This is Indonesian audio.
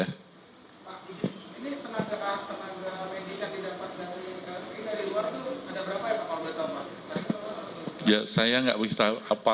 pak ini tenaga tenaga medis yang tidak dapat dapet dari kspi dari luar itu ada berapa ya pak